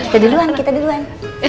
kita duluan kita duluan